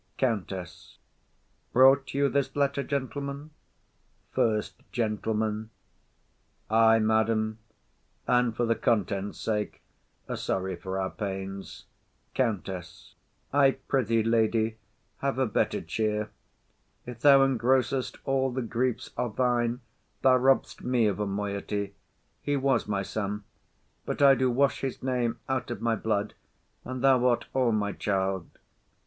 COUNTESS. Brought you this letter, gentlemen? FIRST GENTLEMAN. Ay, madam; And for the contents' sake, are sorry for our pains. COUNTESS. I pr'ythee, lady, have a better cheer; If thou engrossest all the griefs are thine, Thou robb'st me of a moiety. He was my son, But I do wash his name out of my blood, And thou art all my child.